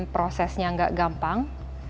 prosesnya gak gampang